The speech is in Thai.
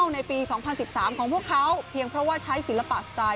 ในปี๒๐๑๓ของพวกเขาเพียงเพราะว่าใช้ศิลปะสไตล์